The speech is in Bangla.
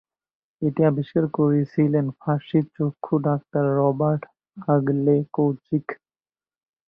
এটি আবিষ্কার করেছিলেন ফরাসি চক্ষু-ডাক্তার রবার্ট-আগলে কৌচিক্স।